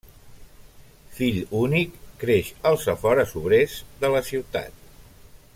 Fill únic, creix als afores obrers de la ciutat.